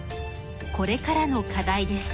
これからの課題です。